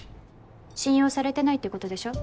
信用されてないってことでしょ。